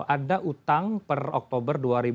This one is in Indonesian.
ada utang per oktober